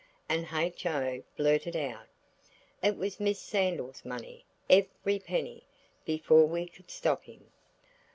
And H.O. blurted out, "It was Miss Sandal's money–every penny," before we could stop him.